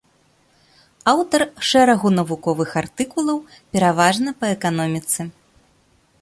Аўтар шэрагу навуковых артыкулаў, пераважна па эканоміцы.